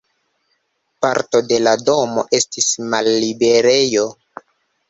Parto de la domo estis malliberejo.